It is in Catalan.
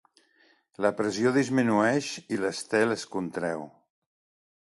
La pressió disminueix i l'estel es contreu.